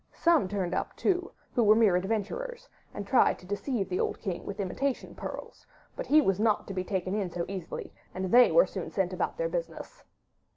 Some turned up, too, who were mere adventurers, and tried to deceive the old king with imitation pearls; but he was not to be taken in so easily, and they were soon sent about their business.